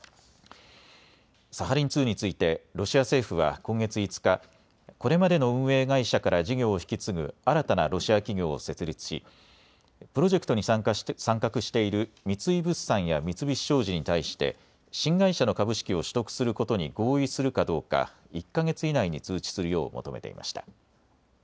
サハリン２についてロシア政府は今月５日、これまでの運営会社から事業を引き継ぐ新たなロシア企業を設立しプロジェクトに参画している三井物産や三菱商事に対して新会社の株式を取得することに合意するかどうか１か月以内に通知するよう求めていました。